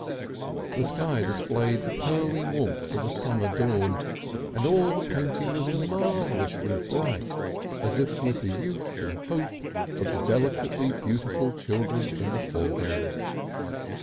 The sky displayed the pearly warmth of a summer dawn, and all the painting was marvellously bright as if with the youth and hope of the delicately beautiful children in the foreground.